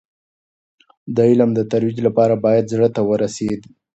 د علم د ترویج لپاره باید زړه ته ورسېدو.